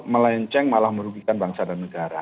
melenceng malah merugikan bangsa dan negara